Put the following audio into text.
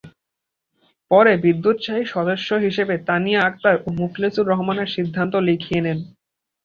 পরে বিদ্যোৎসাহী সদস্য হিসেবে তানিয়া আক্তার ও মুখলেছুর রহমানের সিদ্ধান্ত লিখিয়ে নেন।